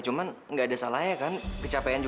lo nggak boleh kemana mana